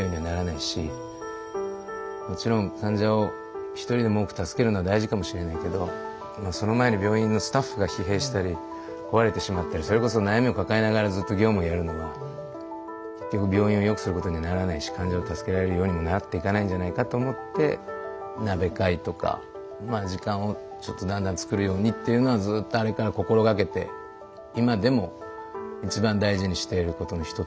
もちろん患者を一人でも多く助けるのは大事かもしれないけどその前に病院のスタッフが疲弊したり壊れてしまったりそれこそ悩みを抱えながらずっと業務をやるのは結局病院を良くすることにはならないし患者を助けられるようにもなっていかないんじゃないかと思って鍋会とかまあ時間をちょっとだんだん作るようにっていうのはずっとあれから心掛けて今でも一番大事にしていることの一つ。